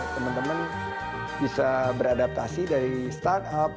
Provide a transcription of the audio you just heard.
teman teman bisa beradaptasi dari start up